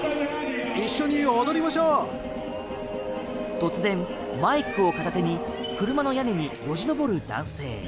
突然、マイクを片手に車の屋根によじ登る男性。